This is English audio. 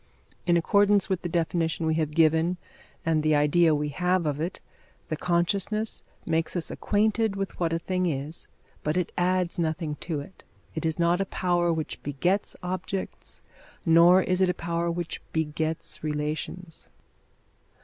In accordance with the definition we have given and the idea we have of it, the consciousness makes us acquainted with what a thing is, but it adds nothing to it. It is not a power which begets objects, nor is it a power which begets relations.